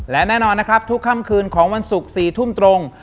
และแน่นอนนะครับทุกค่ำคืนของวันศุกร์๔ทุ่มตรง